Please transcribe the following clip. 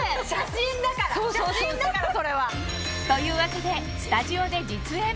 写真だからそれは！というわけでスタジオで実演